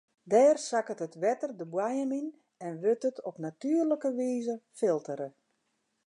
Dêr sakket it wetter de boaiem yn en wurdt it op natuerlike wize filtere.